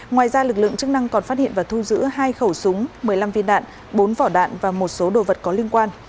ngoài ra lực lượng chức năng còn phát hiện và thu giữ hai khẩu súng một mươi năm viên đạn bốn vỏ đạn và một số đồ vật có liên quan